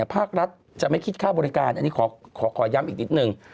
ภาครัฐจะไม่คิดค่าบริการอันนี้ขอย้ำอีกนิดนึง